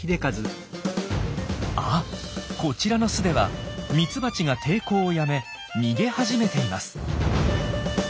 あっこちらの巣ではミツバチが抵抗をやめ逃げ始めています。